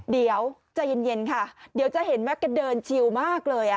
เดี๋ยวใจเย็นค่ะเดี๋ยวจะเห็นไหมแกเดินชิวมากเลย